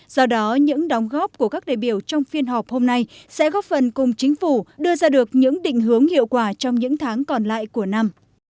do đó những đóng góp của các đại biểu trong phiên họp hôm nay sẽ góp phần cùng chính phủ đưa ra được những định hướng hiệu quả trong những tháng còn lại của năm